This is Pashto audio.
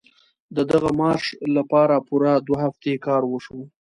د دغه مارش لپاره پوره دوه هفتې کار وشو.